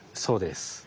そうです。